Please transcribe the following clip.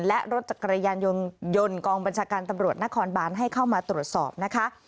และรถจักรยานยนต์กองบัญชาการตำรวจนครบานให้เข้ามาตรวจสอบนะคะ